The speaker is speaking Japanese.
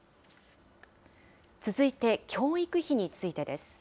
続いて教育費についてです。